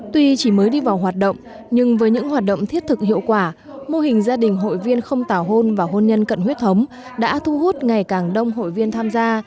tuy chỉ mới đi vào hoạt động nhưng với những hoạt động thiết thực hiệu quả mô hình gia đình hội viên không tào hôn và hôn nhân cận huyết thống đã thu hút ngày càng đông hội viên tham gia